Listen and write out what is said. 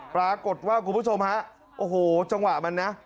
คุณผู้ชมฮะโอ้โหจังหวะมันนะ